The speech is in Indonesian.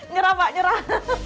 nyerah pak nyerah